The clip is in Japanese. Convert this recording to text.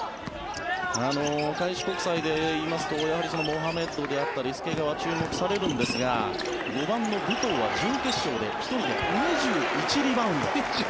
開志国際でいいますとやはりモハメッドであったり介川、注目されるんですが５番の武藤は準決勝で１人で２１リバウンド。